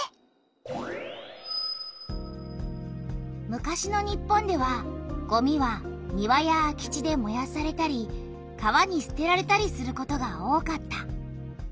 昔の日本ではごみは庭や空き地でもやされたり川にすてられたりすることが多かった。